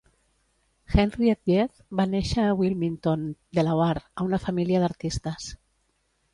Henriette Wyeth va néixer a Wilmington, Delaware, a una família d'artistes.